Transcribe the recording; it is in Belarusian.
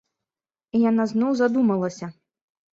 І яна зноў задумалася.